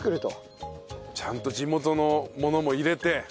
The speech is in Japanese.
ちゃんと地元のものも入れて。